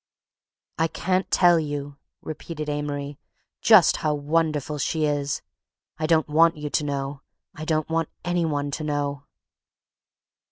"I can't tell you," repeated Amory, "just how wonderful she is. I don't want you to know. I don't want any one to know."